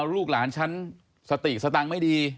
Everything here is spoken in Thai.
ลูกหลานฉันสติสตังค์ไม่ดี